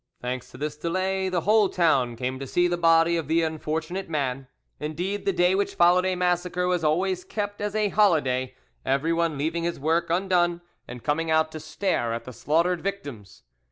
Thanks to this delay, the whole town came to see the body of the unfortunate man. Indeed, the day which followed a massacre was always kept as a holiday, everyone leaving his work undone and coming out to stare at the slaughtered victims.